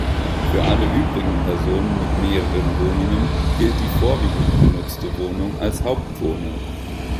Für alle übrigen Personen mit mehreren Wohnungen gilt die vorwiegend benutzte Wohnung als Hauptwohnung.